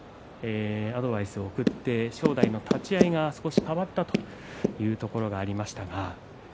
アドバイスを送って正代の立ち合いが変わったというところがありました。